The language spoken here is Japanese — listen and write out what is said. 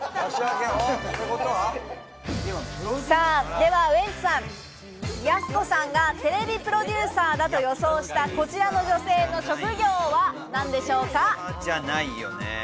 ではウエンツさん、やす子さんがテレビプロデューサーだと予想したこちらの女性の職業は何でしょうか？